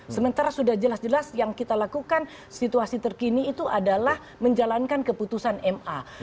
sementara sudah jelas jelas yang kita lakukan situasi terkini itu adalah menjalankan keputusan ma